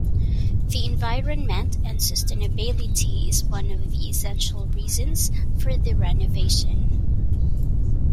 The environment and sustainability is one of the essential reasons for the renovation.